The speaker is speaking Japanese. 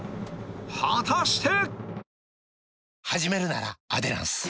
果たして！？